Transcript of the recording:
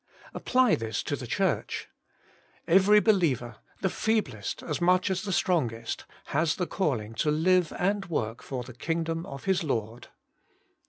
Apply this to the Church. Every be liever, the feeblest as much as the strongest, has the calling to live and work for the kingdom of his Lord.